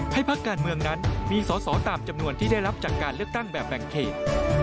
พักการเมืองนั้นมีสอสอตามจำนวนที่ได้รับจากการเลือกตั้งแบบแบ่งเขต